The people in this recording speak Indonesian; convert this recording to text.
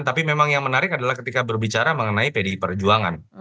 tapi memang yang menarik adalah ketika berbicara mengenai pdi perjuangan